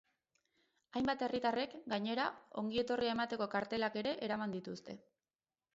Hainbat herritarrek, gainera, ongietorria emateko kartelak ere eraman dituzte.